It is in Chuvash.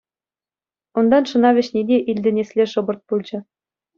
Унтан шӑна вӗҫни те илтӗнесле шӑпӑрт пулчӗ.